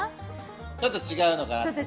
ちょっと違うかな。